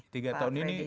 tiga tahun ini